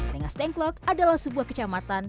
rengas dengklok adalah sebuah kecamatan